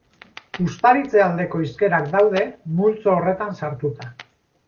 Uztaritze aldeko hizkerak daude multzo horretan sartuta.